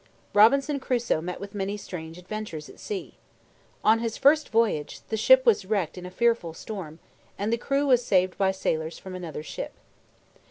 Robinson Crusoe met with many strange adventures at sea. On his first voyage, the ship was wrecked in a fearful storm, and the crew was saved by sailors from another ship.